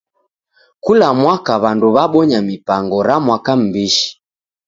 Kula mwaka w'andu w'abonya mipango ra Mwaka M'bishi.